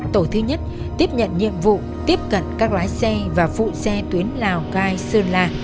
tổ thứ nhất tiếp nhận nhiệm vụ tiếp cận các lái xe và phụ xe tuyến lào cai sơn la